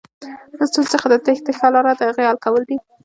د ستونزې څخه د تېښتې ښه لاره دهغې حل کول دي.